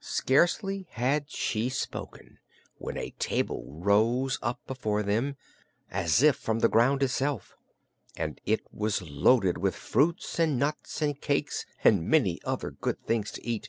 Scarcely had she spoken when a table rose up before them, as if from the ground itself, and it was loaded with fruits and nuts and cakes and many other good things to eat.